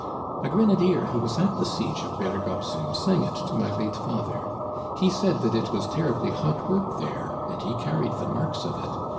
" A grenadier who was at the siege of Berg op Zoom sang it to my late father. He said that it was terribly hot work there, and he carried the marks of it.